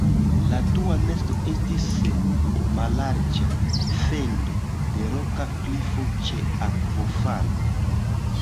La dua nesto estis en mallarĝa fendo de roka klifo ĉe akvofalo.